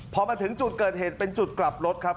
พอมาถึงจุดเกิดเหตุเป็นจุดกลับรถครับ